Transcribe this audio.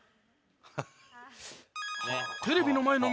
ハハハ。